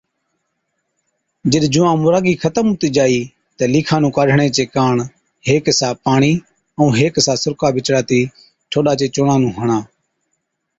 جِڏ جُوئان مُراگِي ختم هُتِي جائِي تہ لِيکان نُون ڪاڍڻي چي ڪاڻ هيڪ حِصا پاڻِي ائُون هيڪ حِصا سُرڪا بِچڙاتِي ٺوڏا چي چُونڻان نُون هڻا۔